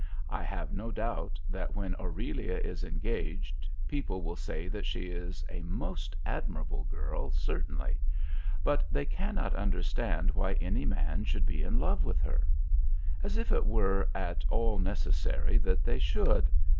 I have no doubt that when Aurelia is engaged, people will say that she is a most admirable girl, certainly; but they cannot understand why any man should be in love with her. As if it were at all necessary that they should!